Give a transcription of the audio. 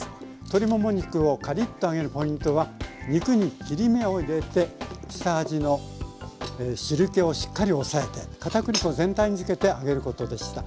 鶏もも肉をカリッと揚げるポイントは肉に切り目を入れて下味の汁けをしっかり押さえて片栗粉全体につけて揚げることでした。